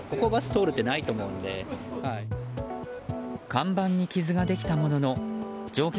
看板に傷ができたものの乗客